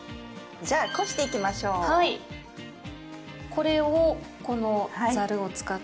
これをこのざるを使って。